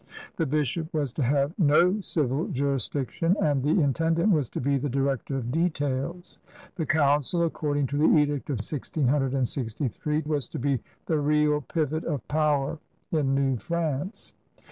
The bishop was to have no civil juris diction, and the intendant was to be the director of details. The G>uncil, according to the edict of 166S, was to be the real pivot of power in New France.